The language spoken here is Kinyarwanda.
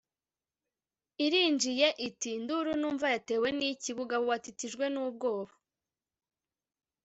irinjiye, iti ... nduru numva ... yatewe n'iki? bugabo watitijwe n'ubwoba